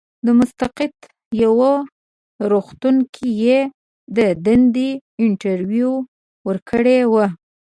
د مسقط یوه روغتون کې یې د دندې انټرویو ورکړې وه.